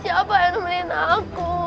siapa yang menemuin aku